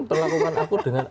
perlakukan aku dengan